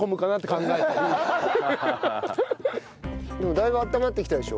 だいぶ温まってきたでしょ？